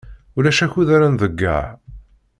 Ulac akud ara nḍeyyeɛ.